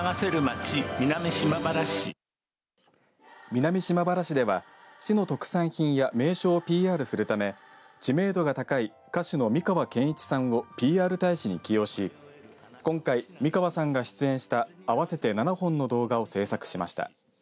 水に流せるまち南島原市南島原市では市の特産品や名称をＰＲするため知名度が高い歌手の美川憲一さんをＰＲ大使に起用し今回、美川さんが出演した合わせて７本の動画を制作しました。